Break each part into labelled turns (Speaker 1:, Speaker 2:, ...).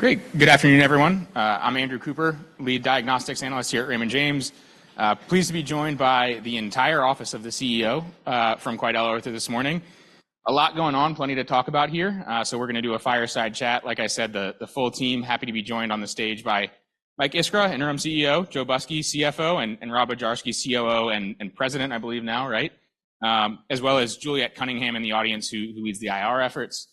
Speaker 1: Great. Good afternoon, everyone. I'm Andrew Cooper, Lead Diagnostics Analyst here at Raymond James. Pleased to be joined by the entire office of the CEO from QuidelOrtho this morning. A lot going on, plenty to talk about here, so we're going to do a fireside chat. Like I said, the full team, happy to be joined on the stage by Mike Iskra, interim CEO, Joe Busky, CFO, and Rob Bujarski, COO and President, I believe now, right? As well as Juliet Cunningham in the audience who leads the IR efforts.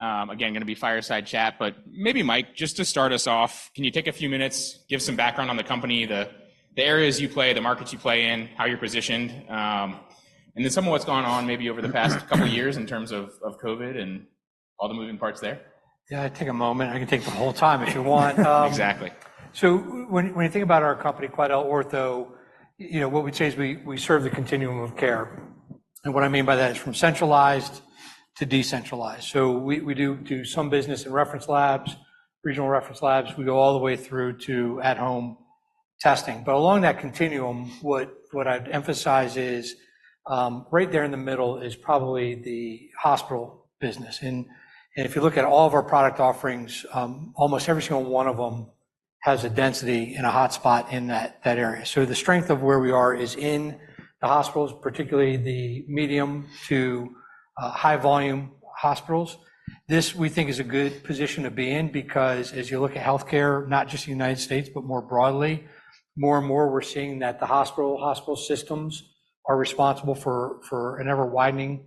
Speaker 1: Again, going to be fireside chat, but maybe, Mike, just to start us off, can you take a few minutes, give some background on the company, the areas you play, the markets you play in, how you're positioned, and then some of what's gone on maybe over the past couple of years in terms of COVID and all the moving parts there?
Speaker 2: Yeah, take a moment. I can take the whole time if you want.
Speaker 1: Exactly.
Speaker 2: So when you think about our company, QuidelOrtho, what we'd say is we serve the continuum of care. And what I mean by that is from centralized to decentralized. So we do some business in reference labs, regional reference labs. We go all the way through to at-home testing. But along that continuum, what I'd emphasize is right there in the middle is probably the hospital business. And if you look at all of our product offerings, almost every single one of them has a density and a hotspot in that area. So the strength of where we are is in the hospitals, particularly the medium to high-volume hospitals. This we think is a good position to be in because as you look at healthcare, not just the United States but more broadly, more and more we're seeing that the hospital systems are responsible for an ever-widening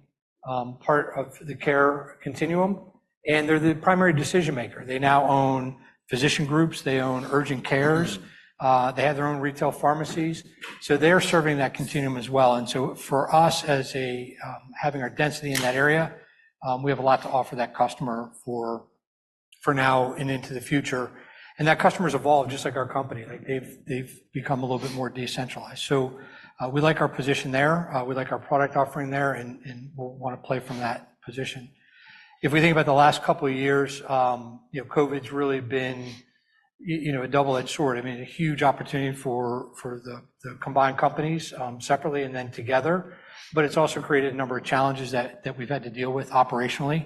Speaker 2: part of the care continuum. And they're the primary decision-maker. They now own physician groups. They own urgent cares. They have their own retail pharmacies. So they're serving that continuum as well. And so for us, having our density in that area, we have a lot to offer that customer for now and into the future. And that customer's evolved just like our company. They've become a little bit more decentralized. So we like our position there. We like our product offering there, and we want to play from that position. If we think about the last couple of years, COVID's really been a double-edged sword. I mean, a huge opportunity for the combined companies separately and then together. But it's also created a number of challenges that we've had to deal with operationally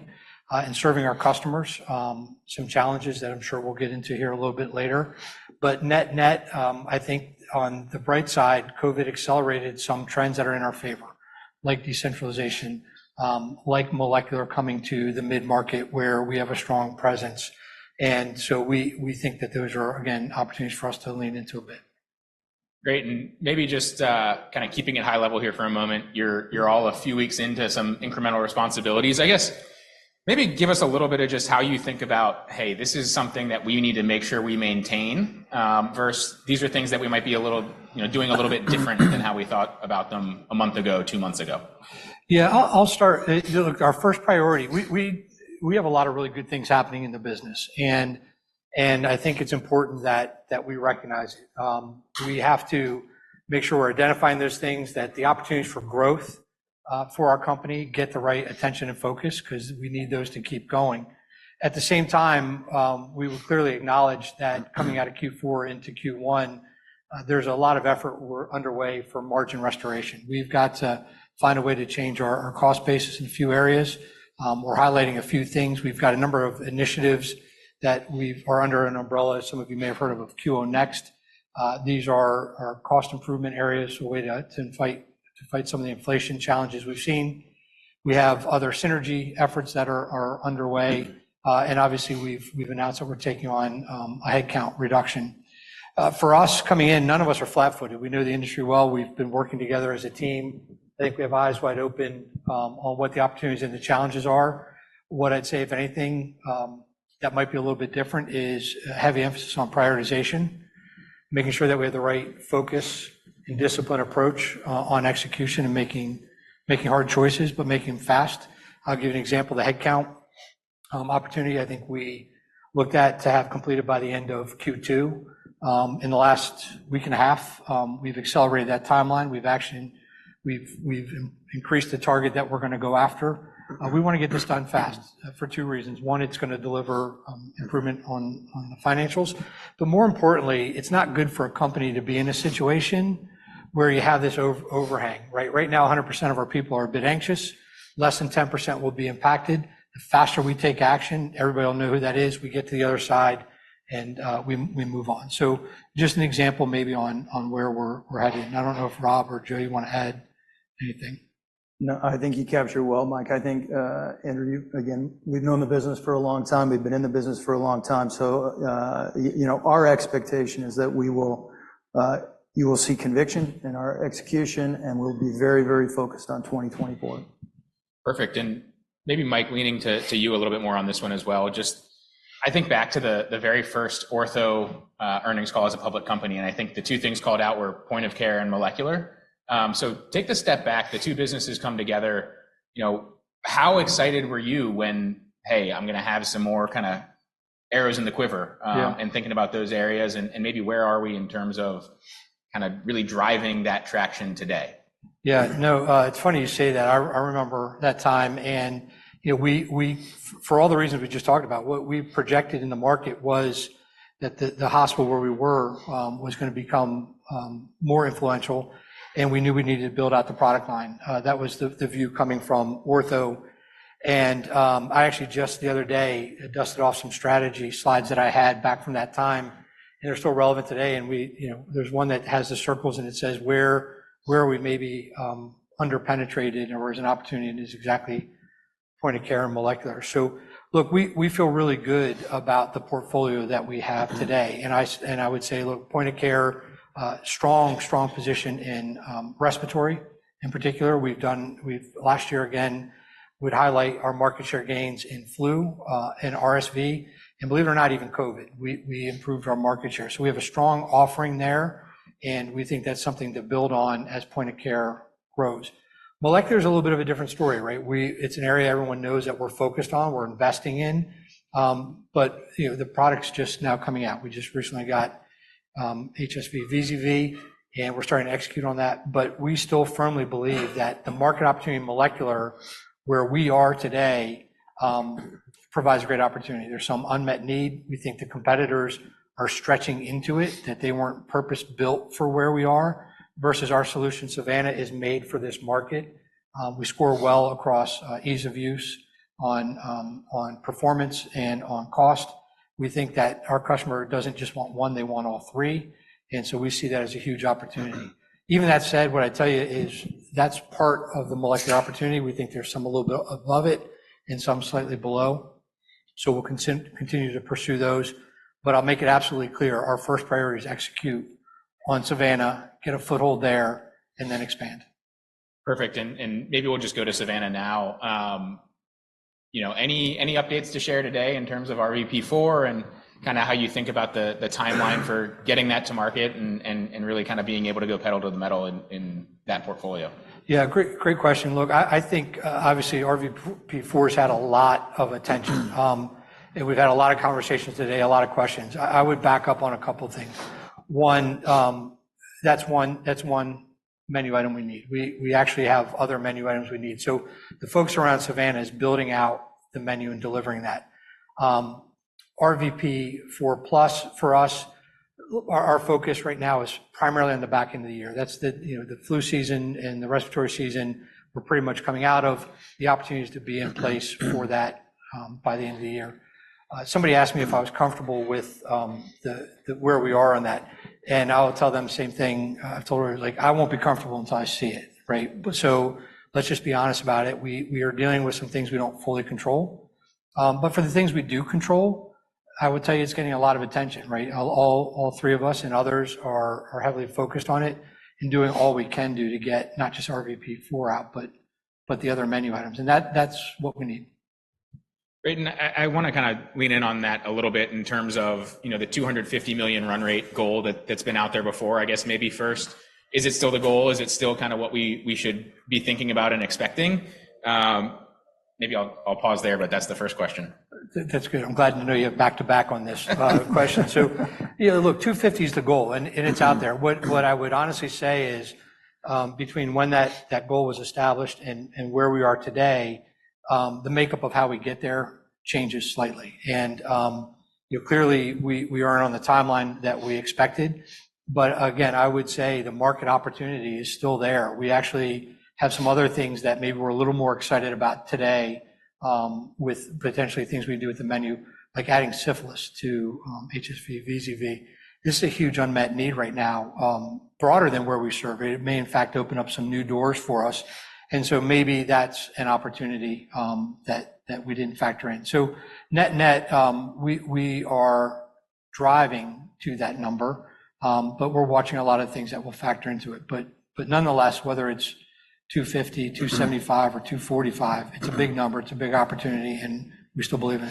Speaker 2: in serving our customers, some challenges that I'm sure we'll get into here a little bit later. But net-net, I think on the bright side, COVID accelerated some trends that are in our favor, like decentralization, like molecular coming to the mid-market where we have a strong presence. And so we think that those are, again, opportunities for us to lean into a bit.
Speaker 1: Great. Maybe just kind of keeping it high-level here for a moment, you're all a few weeks into some incremental responsibilities. I guess maybe give us a little bit of just how you think about, "Hey, this is something that we need to make sure we maintain," versus, "These are things that we might be doing a little bit different than how we thought about them a month ago, two months ago.
Speaker 2: Yeah, I'll start. Look, our first priority, we have a lot of really good things happening in the business. I think it's important that we recognize it. We have to make sure we're identifying those things, that the opportunities for growth for our company get the right attention and focus because we need those to keep going. At the same time, we will clearly acknowledge that coming out of Q4 into Q1, there's a lot of effort underway for margin restoration. We've got to find a way to change our cost basis in a few areas. We're highlighting a few things. We've got a number of initiatives that are under an umbrella. Some of you may have heard of QO Next. These are cost improvement areas, a way to fight some of the inflation challenges we've seen. We have other synergy efforts that are underway. And obviously, we've announced that we're taking on a headcount reduction. For us coming in, none of us are flat-footed. We know the industry well. We've been working together as a team. I think we have eyes wide open on what the opportunities and the challenges are. What I'd say, if anything, that might be a little bit different is heavy emphasis on prioritization, making sure that we have the right focus and discipline approach on execution and making hard choices but making them fast. I'll give you an example. The headcount opportunity, I think we looked at to have completed by the end of Q2. In the last week and a half, we've accelerated that timeline. We've increased the target that we're going to go after. We want to get this done fast for two reasons. One, it's going to deliver improvement on the financials. But more importantly, it's not good for a company to be in a situation where you have this overhang, right? Right now, 100% of our people are a bit anxious. Less than 10% will be impacted. The faster we take action, everybody will know who that is. We get to the other side, and we move on. So just an example maybe on where we're headed. And I don't know if Rob or Joe you want to add anything.
Speaker 3: No, I think you captured well, Mike. I think, Andrew, again, we've known the business for a long time. We've been in the business for a long time. So our expectation is that you will see conviction in our execution, and we'll be very, very focused on 2024.
Speaker 1: Perfect. And maybe, Mike, leaning to you a little bit more on this one as well. I think back to the very first Ortho earnings call as a public company. And I think the two things called out were point of care and molecular. So take the step back. The two businesses come together. How excited were you when, "Hey, I'm going to have some more kind of arrows in the quiver," and thinking about those areas? And maybe where are we in terms of kind of really driving that traction today?
Speaker 2: Yeah, no, it's funny you say that. I remember that time. And for all the reasons we just talked about, what we projected in the market was that the hospital where we were was going to become more influential, and we knew we needed to build out the product line. That was the view coming from Ortho. And I actually just the other day dusted off some strategy slides that I had back from that time, and they're still relevant today. And there's one that has the circles, and it says, "Where are we maybe under-penetrated, or where's an opportunity?" And it's exactly point of care and molecular. So look, we feel really good about the portfolio that we have today. And I would say, look, point of care, strong, strong position in respiratory in particular. Last year, again, we'd highlight our market share gains in flu and RSV and believe it or not, even COVID. We improved our market share. So we have a strong offering there, and we think that's something to build on as point of care grows. Molecular is a little bit of a different story, right? It's an area everyone knows that we're focused on. We're investing in. But the product's just now coming out. We just recently got HSV/VZV, and we're starting to execute on that. But we still firmly believe that the market opportunity in molecular, where we are today, provides a great opportunity. There's some unmet need. We think the competitors are stretching into it, that they weren't purpose-built for where we are versus our solution. Savanna is made for this market. We score well across ease of use on performance and on cost. We think that our customer doesn't just want one. They want all three. And so we see that as a huge opportunity. Even that said, what I tell you is that's part of the molecular opportunity. We think there's some a little bit above it and some slightly below. So we'll continue to pursue those. But I'll make it absolutely clear. Our first priority is execute on Savanna, get a foothold there, and then expand.
Speaker 1: Perfect. Maybe we'll just go to Savanna now. Any updates to share today in terms of RVP4 and kind of how you think about the timeline for getting that to market and really kind of being able to go pedal to the metal in that portfolio?
Speaker 2: Yeah, great question. Look, I think obviously RVP4 has had a lot of attention. And we've had a lot of conversations today, a lot of questions. I would back up on a couple of things. One, that's one menu item we need. We actually have other menu items we need. So the folks around Savanna is building out the menu and delivering that. RVP4 Plus for us, our focus right now is primarily on the back end of the year. That's the flu season and the respiratory season we're pretty much coming out of. The opportunities to be in place for that by the end of the year. Somebody asked me if I was comfortable with where we are on that. And I'll tell them same thing. I've told her, "I won't be comfortable until I see it," right? So let's just be honest about it. We are dealing with some things we don't fully control. But for the things we do control, I would tell you it's getting a lot of attention, right? All three of us and others are heavily focused on it and doing all we can do to get not just RVP4 out but the other menu items. And that's what we need.
Speaker 1: Great. And I want to kind of lean in on that a little bit in terms of the $250 million run rate goal that's been out there before. I guess maybe first, is it still the goal? Is it still kind of what we should be thinking about and expecting? Maybe I'll pause there, but that's the first question.
Speaker 2: That's good. I'm glad to know you have back-to-back on this question. So look, $250 is the goal, and it's out there. What I would honestly say is between when that goal was established and where we are today, the makeup of how we get there changes slightly. And clearly, we aren't on the timeline that we expected. But again, I would say the market opportunity is still there. We actually have some other things that maybe we're a little more excited about today with potentially things we do with the menu, like adding syphilis to HSV/VZV. This is a huge unmet need right now, broader than where we serve. It may, in fact, open up some new doors for us. And so maybe that's an opportunity that we didn't factor in. So net-net, we are driving to that number, but we're watching a lot of things that will factor into it. But nonetheless, whether it's 250, 275, or 245, it's a big number. It's a big opportunity, and we still believe in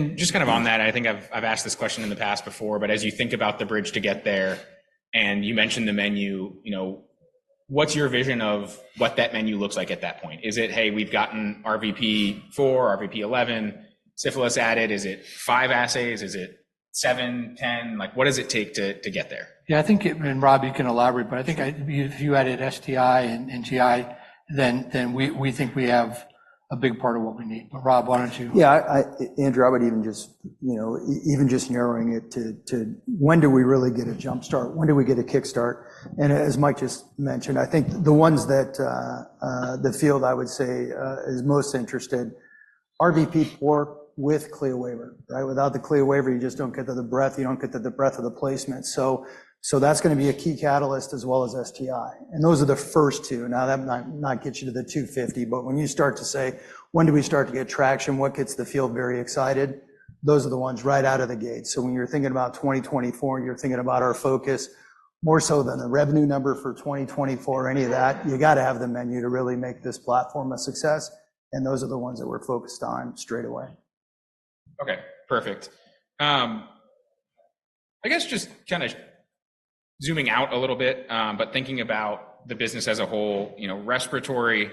Speaker 2: it.
Speaker 1: Just kind of on that, I think I've asked this question in the past before. As you think about the bridge to get there, and you mentioned the menu, what's your vision of what that menu looks like at that point? Is it, "Hey, we've gotten RVP4, RVP11, syphilis added"? Is it five assays? Is it seven, 10? What does it take to get there?
Speaker 2: Yeah, I think Rob, you can elaborate. But I think if you added STI and GI, then we think we have a big part of what we need. But Rob, why don't you?
Speaker 3: Yeah, Andrew, I would even just narrowing it to when do we really get a jumpstart? When do we get a kickstart? And as Mike just mentioned, I think the ones that the field I would say is most interested, RVP4 with CLIA waiver, right? Without the CLIA waiver, you just don't get to the breadth. You don't get to the breadth of the placement. So that's going to be a key catalyst as well as STI. And those are the first two. Now, that might not get you to the $250. But when you start to say, "When do we start to get traction? What gets the field very excited?" Those are the ones right out of the gate. So when you're thinking about 2024, you're thinking about our focus more so than the revenue number for 2024 or any of that. You got to have the menu to really make this platform a success. Those are the ones that we're focused on straight away.
Speaker 1: Okay, perfect. I guess just kind of zooming out a little bit, but thinking about the business as a whole, respiratory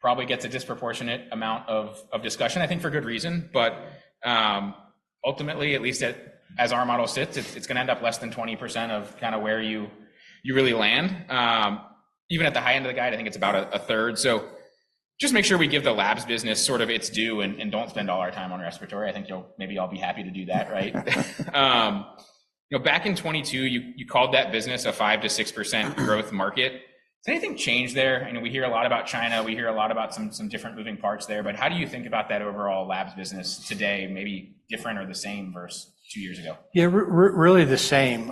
Speaker 1: probably gets a disproportionate amount of discussion, I think for good reason. But ultimately, at least as our model sits, it's going to end up less than 20% of kind of where you really land. Even at the high end of the guide, I think it's about a third. So just make sure we give the labs business sort of its due and don't spend all our time on respiratory. I think maybe I'll be happy to do that, right? Back in 2022, you called that business a 5%-6% growth market. Has anything changed there? We hear a lot about China. We hear a lot about some different moving parts there. How do you think about that overall Labs business today, maybe different or the same versus two years ago?
Speaker 2: Yeah, really the same.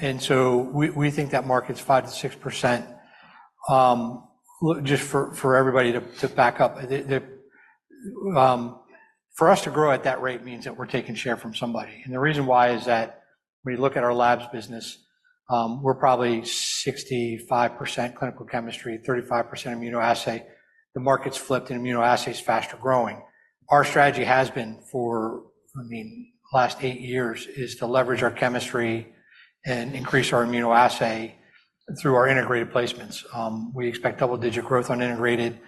Speaker 2: And so we think that market's 5%-6%. Just for everybody to back up, for us to grow at that rate means that we're taking share from somebody. And the reason why is that when you look at our labs business, we're probably 65% clinical chemistry, 35% immunoassay. The market's flipped, and immunoassay is faster growing. Our strategy has been for, I mean, the last eight years is to leverage our chemistry and increase our immunoassay through our integrated placements. We expect double-digit growth on integrated.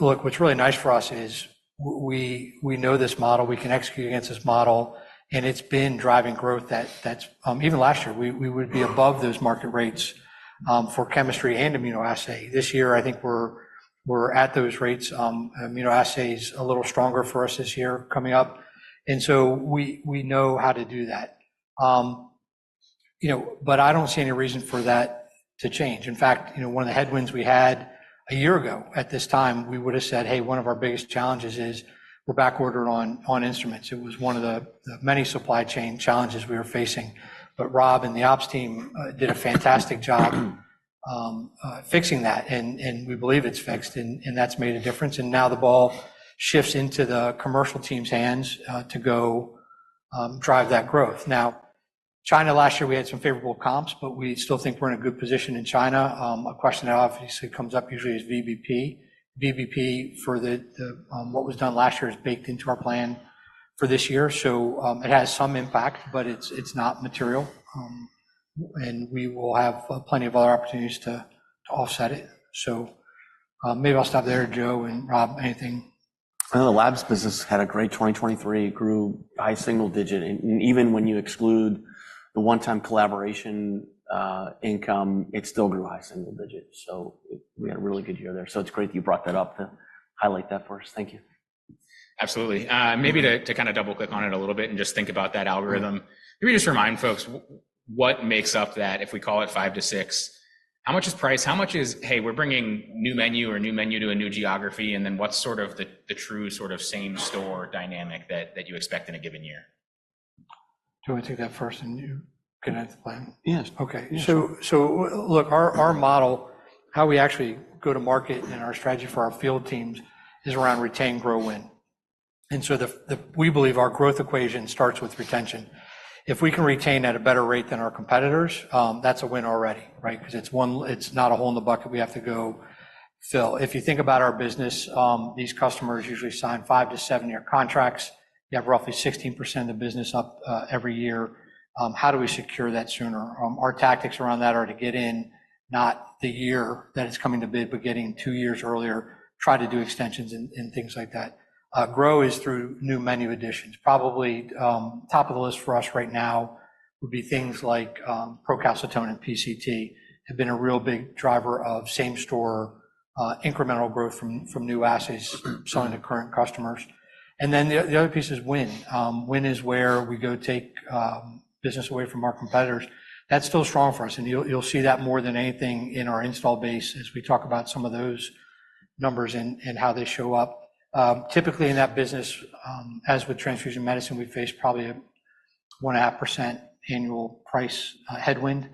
Speaker 2: Look, what's really nice for us is we know this model. We can execute against this model. And it's been driving growth that even last year, we would be above those market rates for chemistry and immunoassay. This year, I think we're at those rates. Immunoassay is a little stronger for us this year coming up. And so we know how to do that. But I don't see any reason for that to change. In fact, one of the headwinds we had a year ago at this time, we would have said, "Hey, one of our biggest challenges is we're backordered on instruments." It was one of the many supply chain challenges we were facing. But Rob and the ops team did a fantastic job fixing that. And we believe it's fixed, and that's made a difference. And now the ball shifts into the commercial team's hands to go drive that growth. Now, China last year, we had some favorable comps, but we still think we're in a good position in China. A question that obviously comes up usually is VBP. VBP for what was done last year is baked into our plan for this year. So it has some impact, but it's not material. And we will have plenty of other opportunities to offset it. So maybe I'll stop there, Joe and Rob, anything?
Speaker 3: I know the labs business had a great 2023, grew high single-digit. Even when you exclude the one-time collaboration income, it still grew high single-digit. We had a really good year there. It's great that you brought that up to highlight that for us. Thank you.
Speaker 1: Absolutely. Maybe to kind of double-click on it a little bit and just think about that algorithm. Maybe just remind folks what makes up that if we call it 5-6, how much is price? How much is, "Hey, we're bringing new menu or new menu to a new geography," and then what's sort of the true sort of same-store dynamic that you expect in a given year?
Speaker 2: Do I take that first, and you can answer that?
Speaker 4: Yes.
Speaker 2: Okay. So look, our model, how we actually go to market and our strategy for our field teams is around retain, grow, win. And so we believe our growth equation starts with retention. If we can retain at a better rate than our competitors, that's a win already, right? Because it's not a hole in the bucket we have to go fill. If you think about our business, these customers usually sign five- to seven-year contracts. You have roughly 16% of the business up every year. How do we secure that sooner? Our tactics around that are to get in not the year that it's coming to bid, but getting two years earlier, try to do extensions and things like that. Grow is through new menu additions. Probably top of the list for us right now would be things like procalcitonin, PCT, have been a real big driver of same-store incremental growth from new assays selling to current customers. And then the other piece is win. Win is where we go take business away from our competitors. That's still strong for us. And you'll see that more than anything in our install base as we talk about some of those numbers and how they show up. Typically, in that business, as with transfusion medicine, we face probably a 1.5% annual price headwind.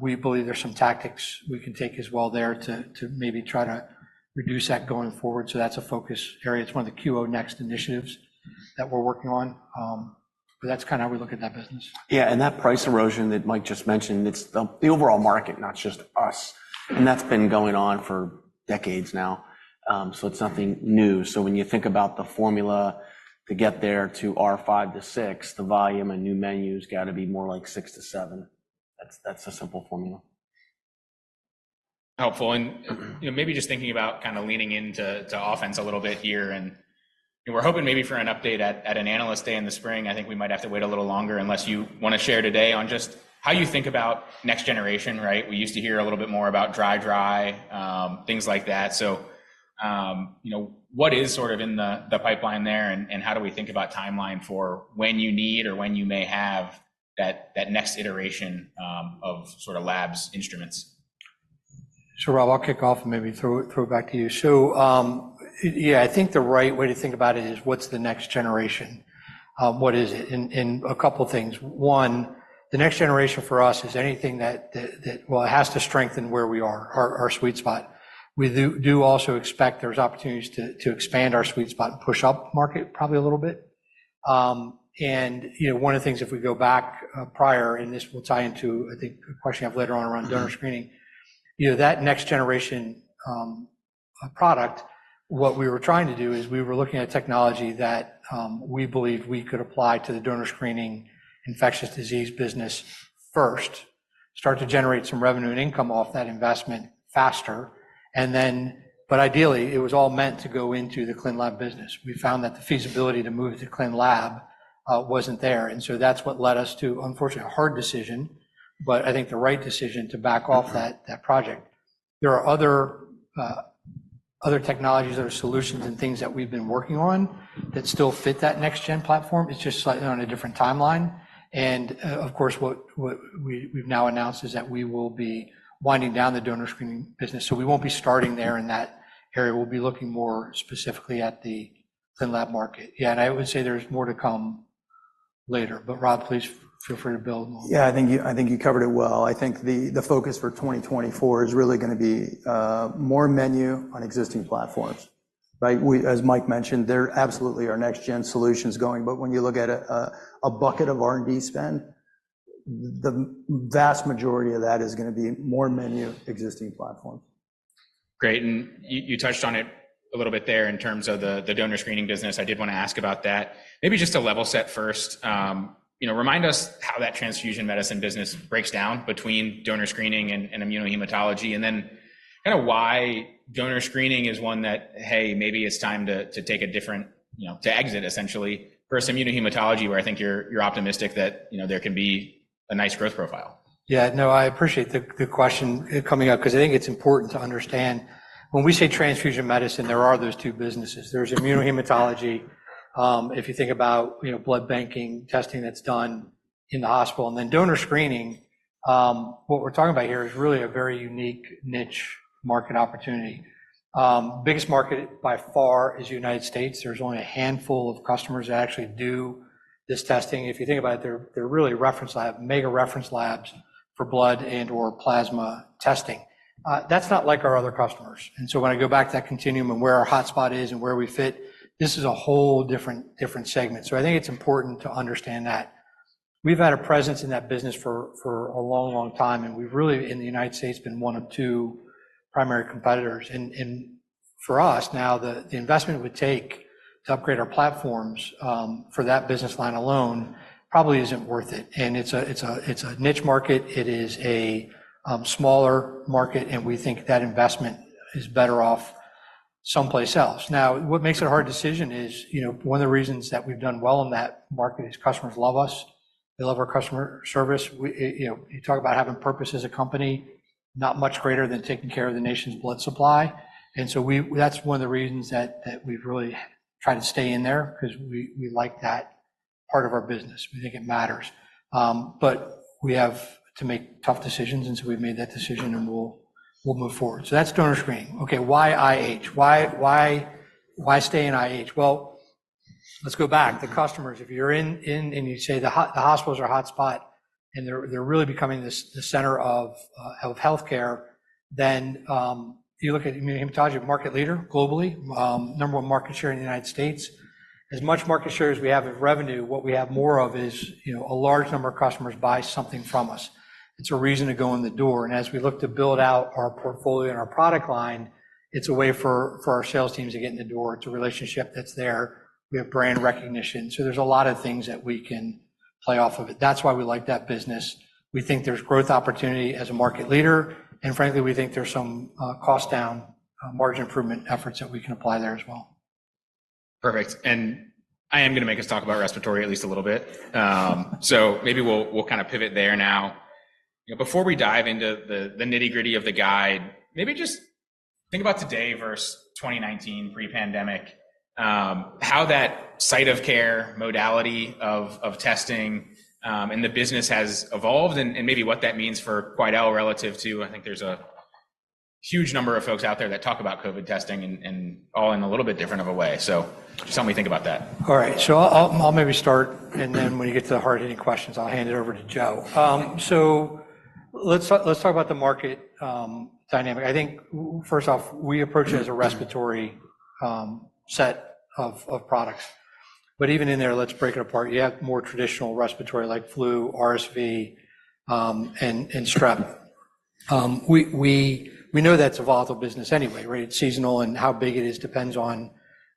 Speaker 2: We believe there's some tactics we can take as well there to maybe try to reduce that going forward. So that's a focus area. It's one of the QO Next initiatives that we're working on. But that's kind of how we look at that business.
Speaker 4: Yeah. That price erosion that Mike just mentioned, it's the overall market, not just us. That's been going on for decades now. So when you think about the formula to get there to our 5-6, the volume and new menu has got to be more like 6-7. That's a simple formula.
Speaker 1: Helpful. And maybe just thinking about kind of leaning into offense a little bit here. And we're hoping maybe for an update at an analyst day in the spring. I think we might have to wait a little longer unless you want to share today on just how you think about next generation, right? We used to hear a little bit more about dry, dry, things like that. So what is sort of in the pipeline there and how do we think about timeline for when you need or when you may have that next iteration of sort of labs instruments?
Speaker 2: Sure, Rob. I'll kick off and maybe throw it back to you. So yeah, I think the right way to think about it is what's the next generation? What is it? And a couple of things. One, the next generation for us is anything that, well, it has to strengthen where we are, our sweet spot. We do also expect there's opportunities to expand our sweet spot and push up market probably a little bit. And one of the things, if we go back prior, and this will tie into, I think, a question you have later on around donor screening, that next generation product, what we were trying to do is we were looking at technology that we believe we could apply to the donor screening infectious disease business first, start to generate some revenue and income off that investment faster. But ideally, it was all meant to go into the clinical lab business. We found that the feasibility to move to clinical lab wasn't there. So that's what led us to, unfortunately, a hard decision, but I think the right decision to back off that project. There are other technologies that are solutions and things that we've been working on that still fit that next-gen platform. It's just slightly on a different timeline. And of course, what we've now announced is that we will be winding down the donor screening business. So we won't be starting there in that area. We'll be looking more specifically at the clinical lab market. Yeah. And I would say there's more to come later. But Rob, please feel free to build on.
Speaker 3: Yeah, I think you covered it well. I think the focus for 2024 is really going to be more menu on existing platforms, right? As Mike mentioned, there absolutely are next-gen solutions going. But when you look at a bucket of R&D spend, the vast majority of that is going to be more menu existing platforms.
Speaker 1: Great. And you touched on it a little bit there in terms of the donor screening business. I did want to ask about that. Maybe just to level set first, remind us how that transfusion medicine business breaks down between donor screening and immunohematology, and then kind of why donor screening is one that, hey, maybe it's time to take a different to exit, essentially, versus immunohematology, where I think you're optimistic that there can be a nice growth profile.
Speaker 2: Yeah. No, I appreciate the question coming up because I think it's important to understand when we say transfusion medicine, there are those two businesses. There's immunohematology, if you think about blood banking testing that's done in the hospital, and then donor screening. What we're talking about here is really a very unique niche market opportunity. Biggest market by far is the United States. There's only a handful of customers that actually do this testing. If you think about it, they're really reference labs, mega reference labs for blood and/or plasma testing. That's not like our other customers. And so when I go back to that continuum and where our hotspot is and where we fit, this is a whole different segment. So I think it's important to understand that. We've had a presence in that business for a long, long time, and we've really, in the United States, been one of two primary competitors. For us now, the investment it would take to upgrade our platforms for that business line alone probably isn't worth it. It's a niche market. It is a smaller market, and we think that investment is better off someplace else. Now, what makes it a hard decision is one of the reasons that we've done well in that market is customers love us. They love our customer service. You talk about having purpose as a company, not much greater than taking care of the nation's blood supply. So that's one of the reasons that we've really tried to stay in there because we like that part of our business. We think it matters. But we have to make tough decisions, and so we've made that decision, and we'll move forward. So that's donor screening. Okay, why IH? Why stay in IH? Well, let's go back. The customers, if you're in and you say the hospitals are a hotspot and they're really becoming the center of healthcare, then you look at immunohematology, market leader globally, number one market share in the United States. As much market share as we have of revenue, what we have more of is a large number of customers buy something from us. It's a reason to go in the door. And as we look to build out our portfolio and our product line, it's a way for our sales teams to get in the door. It's a relationship that's there. We have brand recognition. So there's a lot of things that we can play off of it. That's why we like that business. We think there's growth opportunity as a market leader. Frankly, we think there's some cost-down margin improvement efforts that we can apply there as well.
Speaker 1: Perfect. And I am going to make us talk about respiratory at least a little bit. So maybe we'll kind of pivot there now. Before we dive into the nitty-gritty of the guide, maybe just think about today versus 2019, pre-pandemic, how that site-of-care modality of testing and the business has evolved and maybe what that means for QuidelOrtho relative to, I think, there's a huge number of folks out there that talk about COVID testing and all in a little bit different of a way. So just help me think about that.
Speaker 2: All right. So I'll maybe start, and then when you get to the hard-hitting questions, I'll hand it over to Joe. So let's talk about the market dynamic. I think, first off, we approach it as a respiratory set of products. But even in there, let's break it apart. You have more traditional respiratory like flu, RSV, and strep. We know that's a volatile business anyway, right? It's seasonal, and how big it is depends on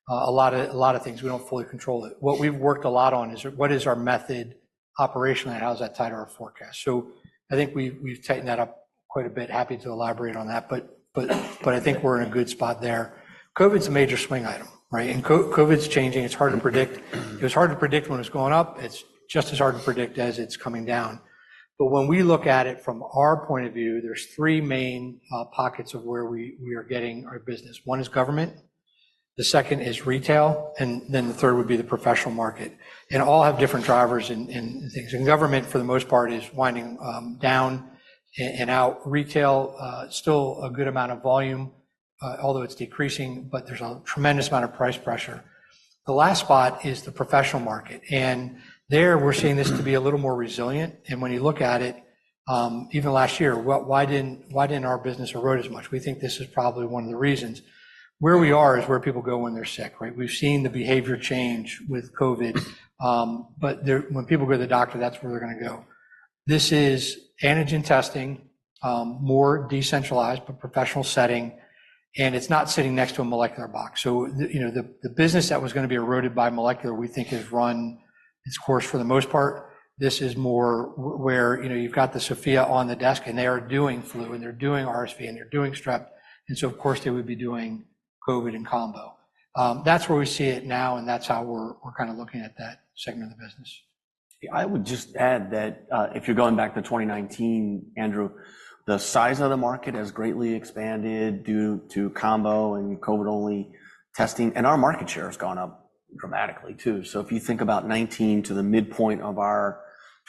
Speaker 2: a lot of things. We don't fully control it. What we've worked a lot on is what is our method operationally? How's that tied to our forecast? So I think we've tightened that up quite a bit. Happy to elaborate on that. But I think we're in a good spot there. COVID's a major swing item, right? And COVID's changing. It's hard to predict. It was hard to predict when it was going up. It's just as hard to predict as it's coming down. But when we look at it from our point of view, there's three main pockets of where we are getting our business. One is government. The second is retail. And then the third would be the professional market. And all have different drivers and things. And government, for the most part, is winding down and out. Retail, still a good amount of volume, although it's decreasing, but there's a tremendous amount of price pressure. The last spot is the professional market. And there, we're seeing this to be a little more resilient. And when you look at it, even last year, why didn't our business erode as much? We think this is probably one of the reasons. Where we are is where people go when they're sick, right? We've seen the behavior change with COVID. But when people go to the doctor, that's where they're going to go. This is antigen testing, more decentralized but professional setting. And it's not sitting next to a molecular box. So the business that was going to be eroded by molecular, we think, has run its course for the most part. This is more where you've got the Sofia on the desk, and they are doing flu, and they're doing RSV, and they're doing strep. And so, of course, they would be doing COVID and combo. That's where we see it now, and that's how we're kind of looking at that segment of the business.
Speaker 4: I would just add that if you're going back to 2019, Andrew, the size of the market has greatly expanded due to combo and COVID-only testing. Our market share has gone up dramatically too. If you think about 2019 to the midpoint of our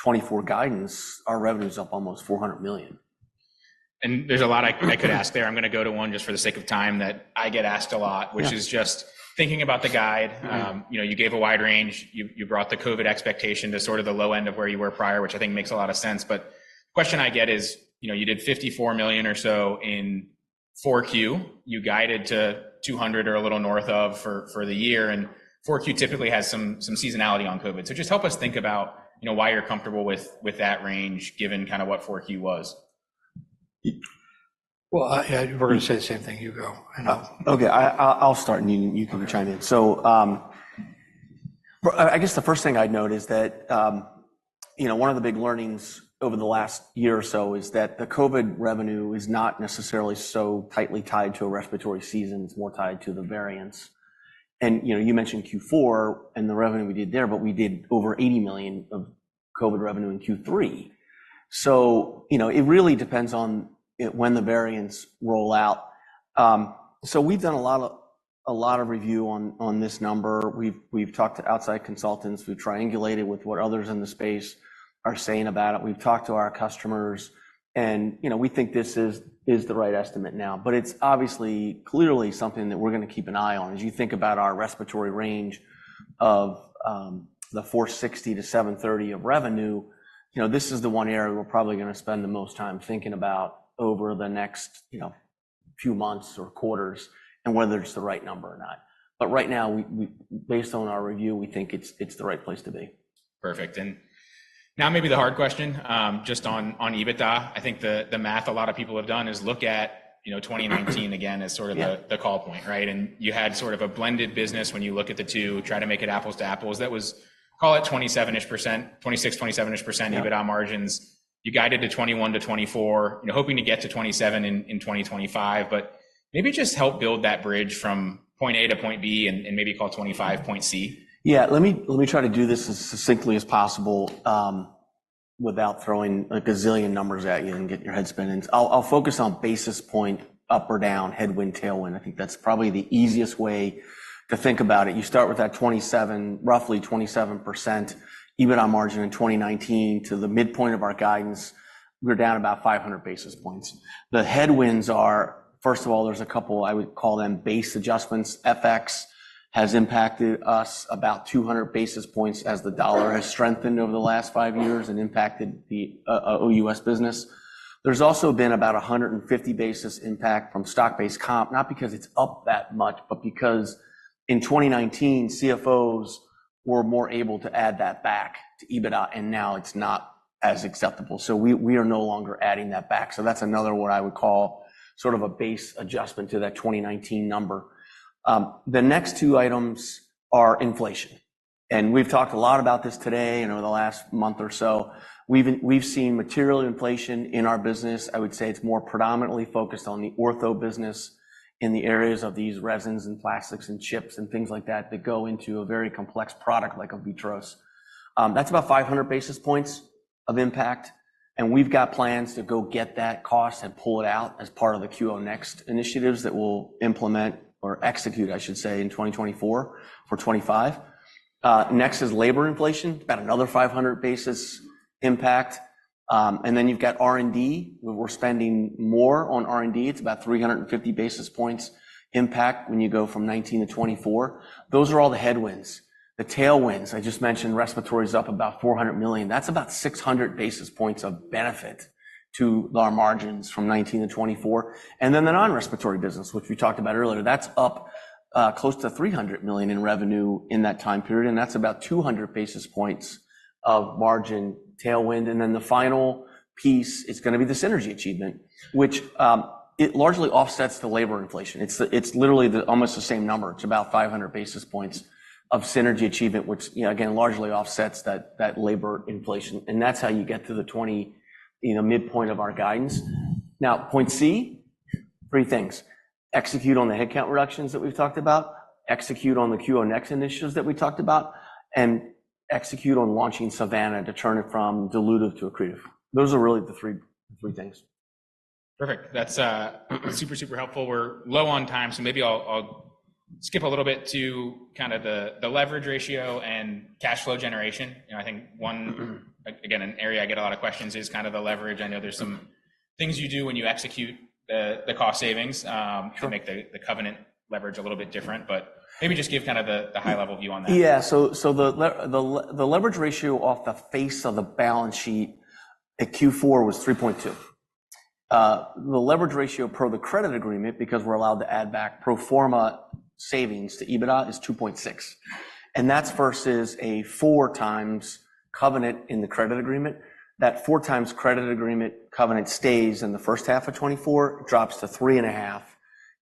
Speaker 4: 2024 guidance, our revenue is up almost $400 million.
Speaker 1: There's a lot I could ask there. I'm going to go to one just for the sake of time that I get asked a lot, which is just thinking about the guide. You gave a wide range. You brought the COVID expectation to sort of the low end of where you were prior, which I think makes a lot of sense. But the question I get is, you did $54 million or so in 4Q. You guided to $200 million or a little north of for the year. And 4Q typically has some seasonality on COVID. So just help us think about why you're comfortable with that range given kind of what 4Q was.
Speaker 2: Well, we're going to say the same thing. You go.
Speaker 4: Okay. I'll start, and you can chime in. So I guess the first thing I'd note is that one of the big learnings over the last year or so is that the COVID revenue is not necessarily so tightly tied to a respiratory season. It's more tied to the variants. And you mentioned Q4 and the revenue we did there, but we did over $80 million of COVID revenue in Q3. So it really depends on when the variants roll out. So we've done a lot of review on this number. We've talked to outside consultants. We've triangulated with what others in the space are saying about it. We've talked to our customers. And we think this is the right estimate now. But it's obviously clearly something that we're going to keep an eye on. As you think about our respiratory range of the $460-$730 of revenue, this is the one area we're probably going to spend the most time thinking about over the next few months or quarters and whether it's the right number or not. But right now, based on our review, we think it's the right place to be.
Speaker 1: Perfect. And now maybe the hard question just on EBITDA. I think the math a lot of people have done is look at 2019 again as sort of the call point, right? And you had sort of a blended business when you look at the two, try to make it apples to apples. That was, call it 27-ish%, 26, 27-ish% EBITDA margins. You guided to 21%-24%, hoping to get to 27% in 2025. But maybe just help build that bridge from point A to point B and maybe call 25 point C.
Speaker 4: Yeah. Let me try to do this as succinctly as possible without throwing a gazillion numbers at you and get your head spinning. I'll focus on basis point up or down, headwind, tailwind. I think that's probably the easiest way to think about it. You start with that 27, roughly 27% EBITDA margin in 2019 to the midpoint of our guidance, we're down about 500 basis points. The headwinds are, first of all, there's a couple I would call them base adjustments. FX has impacted us about 200 basis points as the dollar has strengthened over the last five years and impacted the OUS business. There's also been about 150 basis impact from stock-based comp, not because it's up that much, but because in 2019, CFOs were more able to add that back to EBITDA, and now it's not as acceptable. So we are no longer adding that back. So that's another what I would call sort of a base adjustment to that 2019 number. The next two items are inflation. And we've talked a lot about this today and over the last month or so. We've seen material inflation in our business. I would say it's more predominantly focused on the Ortho business in the areas of these resins and plastics and chips and things like that that go into a very complex product like a VITROS. That's about 500 basis points of impact. And we've got plans to go get that cost and pull it out as part of the QO Next initiatives that we'll implement or execute, I should say, in 2024 for 2025. Next is labor inflation, about another 500 basis impact. And then you've got R&D. We're spending more on R&D. It's about 350 basis points impact when you go from 2019 to 2024. Those are all the headwinds. The tailwinds, I just mentioned, respiratory is up about $400 million. That's about 600 basis points of benefit to our margins from 2019 to 2024. And then the non-respiratory business, which we talked about earlier, that's up close to $300 million in revenue in that time period. And that's about 200 basis points of margin tailwind. And then the final piece is going to be the synergy achievement, which it largely offsets the labor inflation. It's literally almost the same number. It's about 500 basis points of synergy achievement, which, again, largely offsets that labor inflation. And that's how you get to the midpoint of our guidance. Now, point C, three things. Execute on the headcount reductions that we've talked about. Execute on the QO Next initiatives that we talked about. And execute on launching Savanna to turn it from dilutive to accretive. Those are really the three things.
Speaker 1: Perfect. That's super, super helpful. We're low on time, so maybe I'll skip a little bit to kind of the leverage ratio and cash flow generation. I think, again, an area I get a lot of questions is kind of the leverage. I know there's some things you do when you execute the cost savings to make the covenant leverage a little bit different, but maybe just give kind of the high-level view on that.
Speaker 4: Yeah. So the leverage ratio off the face of the balance sheet at Q4 was 3.2. The leverage ratio per the credit agreement, because we're allowed to add back pro forma savings to EBITDA, is 2.6. And that's versus a 4x covenant in the credit agreement. That 4x credit agreement covenant stays in the first half of 2024, drops to 3.5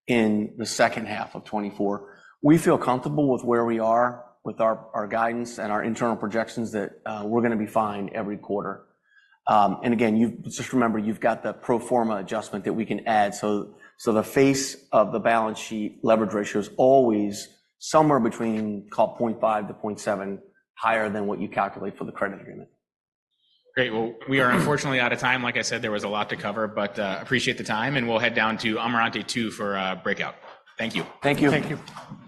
Speaker 4: in the second half of 2024. We feel comfortable with where we are with our guidance and our internal projections that we're going to be fine every quarter. And again, just remember, you've got the pro forma adjustment that we can add. So the face of the balance sheet leverage ratio is always somewhere between call it 0.5-0.7, higher than what you calculate for the credit agreement.
Speaker 1: Great. Well, we are unfortunately out of time. Like I said, there was a lot to cover, but appreciate the time. And we'll head down to Amarante 2 for a breakout. Thank you.
Speaker 4: Thank you.
Speaker 2: Thank you.